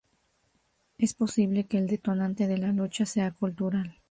Es posible que el detonante de la lucha sea cultural.